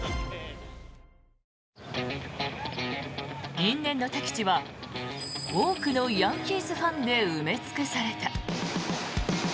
因縁の敵地は多くのヤンキースファンで埋め尽くされた。